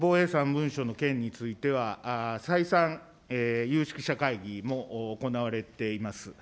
３文書の件については、再三、有識者会議も行われています。